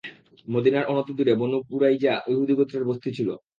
মদীনার অনতিদূরে Banu Qurayza ইহুদী গোত্রের বস্তি ছিল।